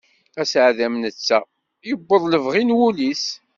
Aseɛdi am netta, yewweḍ lebɣi n wul-is.